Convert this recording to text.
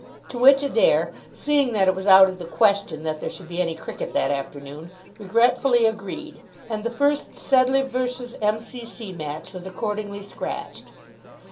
To which Adair, seeing that it was out of the question that there should be any cricket that afternoon, regretfully agreed, and the first Sedleigh v. M.C.C. match was accordingly scratched.